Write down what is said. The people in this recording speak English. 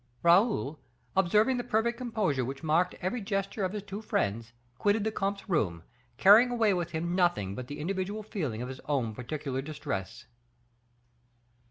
Raoul, observing the perfect composure which marked every gesture of his two friends, quitted the comte's room, carrying away with him nothing but the individual feeling of his own particular distress.